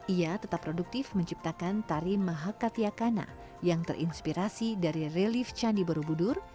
ia tetap produktif menciptakan tari mahakatiakana yang terinspirasi dari relief candi borobudur